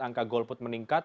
angka golput meningkat